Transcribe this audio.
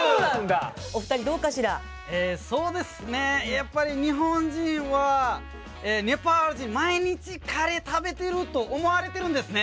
やっぱり日本人はネパール人毎日カレー食べてると思われてるんですね。